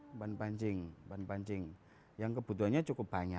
umpan pancing umpan pancing yang kebutuhannya cukup banyak